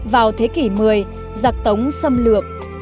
vào thế kỷ một mươi giặc tống xâm lược